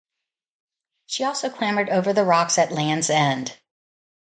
She also clambered over the rocks at Land's End.